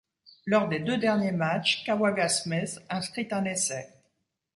Lors des deux derniers matches, Kawagga Smith inscrit un essai.